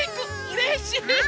うれしい！